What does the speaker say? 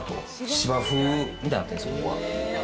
芝生みたいになってるんですよ。